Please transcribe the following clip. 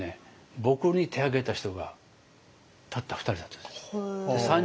僕に手を挙げた人がたった２人だったんです。